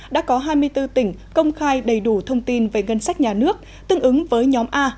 đã có hai mươi bốn tỉnh công khai đầy đủ thông tin về ngân sách nhà nước tương ứng với nhóm a